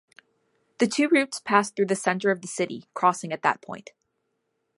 The two routes pass through the center of the city, crossing at that point.